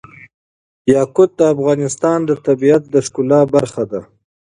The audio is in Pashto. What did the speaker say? یاقوت د افغانستان د طبیعت د ښکلا برخه ده.